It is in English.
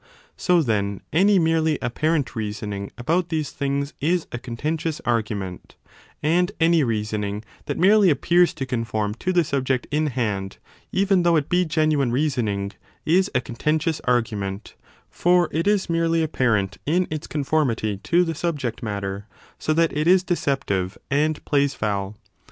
2 So, then, any merely appar ent reasoning about these things is a contentious argument, and any reasoning that merely appears to conform to the 30 subject in hand, even though it be genuine reasoning, is a contentious argument : for it is merely apparent in its con formity to the subject matter, so that it is deceptive and plays foul.